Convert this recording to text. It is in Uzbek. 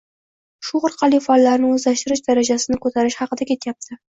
shu orqali fanlarni o‘zlashtirish darajasini ko‘tarish haqida ketayapti.